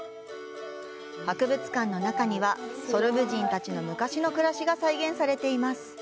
博物館の中にはソルブ人たちの昔の暮らしが再現されています。